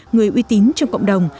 người uy tín trong cộng đồng